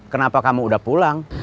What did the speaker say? kenapa kamu udah pulang